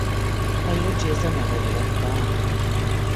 Helyét Jason Avery vette át.